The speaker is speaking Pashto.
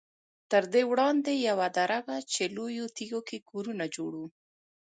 تر دې وړاندې یوه دره وه چې لویو تیږو کې کورونه جوړ وو.